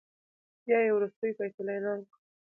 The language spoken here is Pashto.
بيا يې ورورستۍ فيصله اعلان کړه .